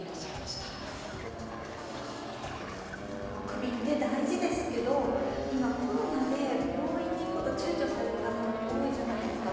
首って大事ですけど今、コロナで病院に行くこと、ちゅうちょされる方も多いじゃないですか。